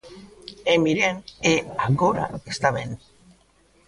E miren, e agora está ben.